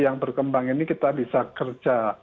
yang berkembang ini kita bisa kerja